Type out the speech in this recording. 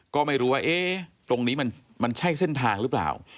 ก็ไม่รู้ว่าตรงนี้มันใช่เส้นทางหรือเปล่า